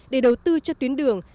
để đầu tư cho tuyến đường